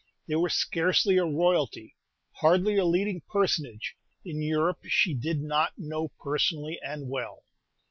There was scarcely a royalty, hardly a leading personage, in Europe she did not know personally and well.